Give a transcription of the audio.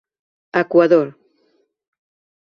Equador.